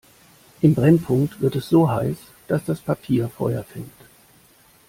Im Brennpunkt wird es so heiß, dass das Papier Feuer fängt.